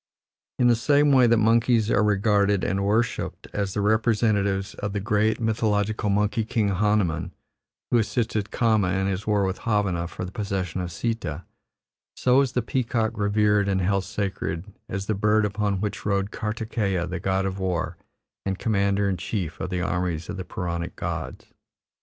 In the same way that monkeys are regarded and worshipped as the representatives of the great mythological monkey king Hanumiin, who assisted Kama, in his war with Havana for the possession of Sita, so is the peacock revered and held sacred as the bird upon which rode Kartikeya the god of war and commander in chief of the armies of the Puranic gods.